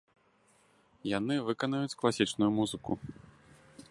Яны выканаюць класічную музыку.